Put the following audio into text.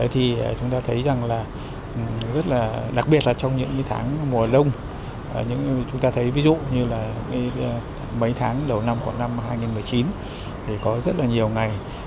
thì chúng ta thấy rằng là rất là đặc biệt là trong những tháng mùa lông chúng ta thấy ví dụ như là mấy tháng đầu năm của năm hai nghìn một mươi chín thì có rất là nhiều ngày